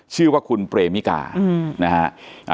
ชื่อว่าคุณเปรมิกานะฮะ